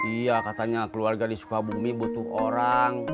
iya katanya keluarga di sukabumi butuh orang